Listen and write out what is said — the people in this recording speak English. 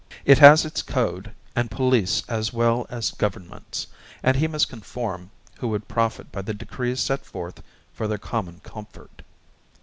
It has its code and police as well as governments, and he must conform who would profit by the decrees set forth for their common comfort.